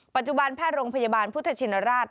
ปัจจุบันแพทย์โรงพยาบาลพุทธชินราช